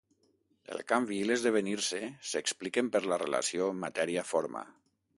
El canvi i l'esdevenir-se s'expliquen per la relació matèria-forma